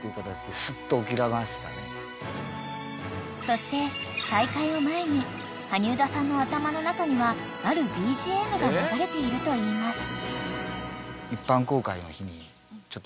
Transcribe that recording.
［そして再会を前に羽生田さんの頭の中にはあるＢＧＭが流れているといいます］